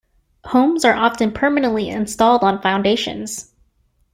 Homes are often permanently installed on foundations.